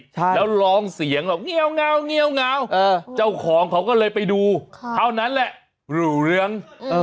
แล้วร้องเสียงเหล่าเงียวเงาเงียวเงาเจ้าของเขาก็เลยไปดูเท่านั้นแหละหรูเหลือง